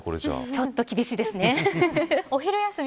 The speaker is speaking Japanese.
ちょっと厳しいですね。